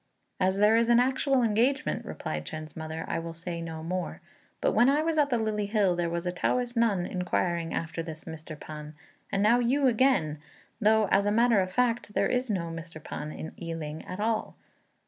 "As there is an actual engagement," replied Chên's mother, "I will say no more; but when I was at the Lily Hill there was a Taoist nun inquiring after this Mr. P'an, and now you again, though, as a matter of fact, there is no Mr. P'an in I ling at all."